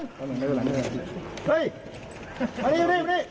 เฮ่ยมานี่